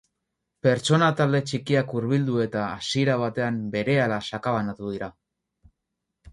Pertsona talde txikiak hurbildu eta, hasiera batean, berehala sakabanatu dira.